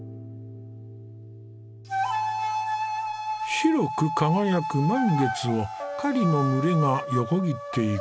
白く輝く満月を雁の群れが横切っていく。